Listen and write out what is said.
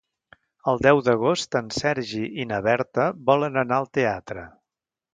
El deu d'agost en Sergi i na Berta volen anar al teatre.